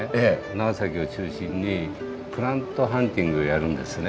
長崎を中心にプラントハンティングやるんですね。